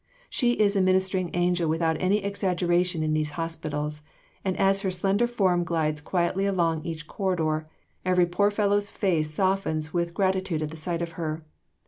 She is a "ministering angel" without any exaggeration in these hospitals, and as her slender form glides quietly along each corridor, every poor fellow's face softens with gratitude at the sight of her.